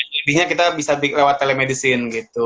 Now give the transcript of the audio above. jadi kita bisa lewat telemedicine gitu